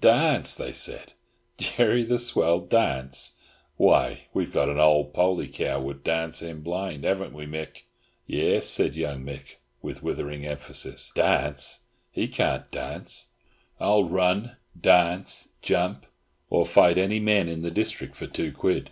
"Darnce!" they said. "Jerry the Swell, darnce! Why, we've got an old poley cow would darnce him blind! Haven't we, Mick?" "Yairs," said young Mick, with withering emphasis. "Darnce! He can't darnce. I'll run, darnce, jump, or fight any man in the district for two quid."